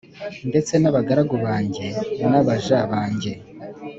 Ndetse n abagaragu banjye n abaja banjye